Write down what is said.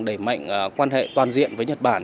đẩy mạnh quan hệ toàn diện với nhật bản